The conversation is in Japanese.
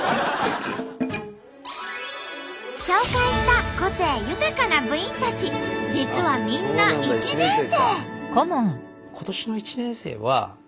紹介した個性豊かな部員たち実はみんな１年生。